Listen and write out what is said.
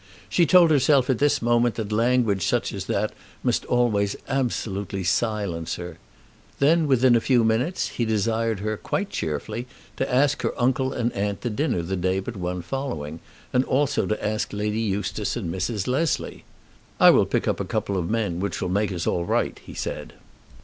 She told herself at this moment that language such as that must always absolutely silence her. Then, within a few minutes, he desired her, quite cheerfully, to ask her uncle and aunt to dinner the day but one following, and also to ask Lady Eustace and Mrs. Leslie. "I will pick up a couple of men, which will make us all right," he said.